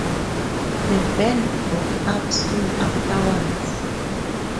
The band broke up soon afterwards.